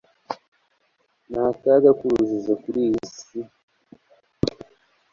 ni akaga k'urujijo kuri iyi isi